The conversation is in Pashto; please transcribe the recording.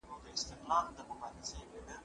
نور به نه اورې ژړا د ماشومانو